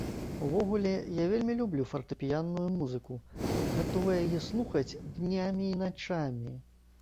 Увогуле, я вельмі люблю фартэпіянную музыку, гатовая яе слухаць днямі і начамі.